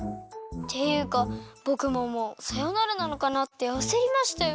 ていうかぼくももうさよならなのかなってあせりましたよ。